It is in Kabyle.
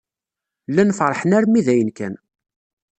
Llan feṛḥen armi d ayen kan.